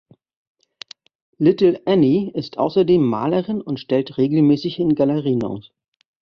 Little Annie ist außerdem Malerin und stellt regelmäßig in Galerien aus.